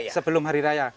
sebelum hari raya